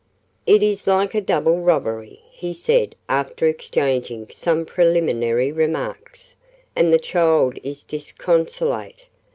"It is like a double robbery," he said after exchanging some preliminary remarks, "and the child is disconsolate.